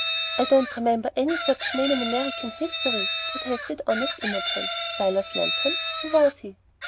"I don't remember any such name in American history," said honest Imogen, "'Silas Lapham,' who was he?"